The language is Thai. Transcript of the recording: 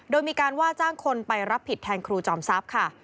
โดยมีการว่าจ้างคนไปรับผิดแทนครูจอมทรัพย์ค่ะ